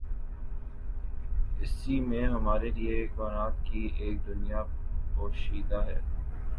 اسی میں ہمارے لیے امکانات کی ایک دنیا پوشیدہ ہے۔